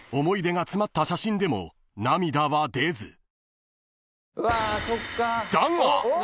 ［思い出が詰まった写真でも涙は出ず］